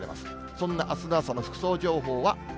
そんなあすの朝の服装情報は。